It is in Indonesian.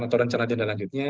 untuk rencana dental auditnya